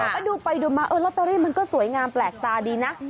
แล้วดูไปดูมาลอตเตอรี่มันก็สวยงามแปลกตาดีนะ